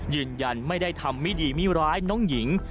ยืนยันไม่ได้ทำไม่ดีไม่ร้ายน้องหญิง